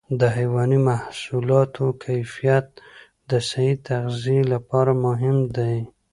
د حيواني محصولاتو کیفیت د صحي تغذیې لپاره مهم دی.